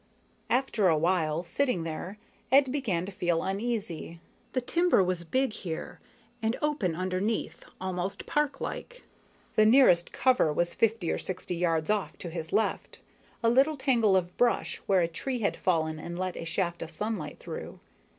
_ After a while, sitting there, Ed began to feel uneasy. The timber was big here, and open underneath, almost parklike. The nearest cover was fifty or sixty yards off to his left, a little tangle of brush where a tree had fallen and let a shaft of sunlight through.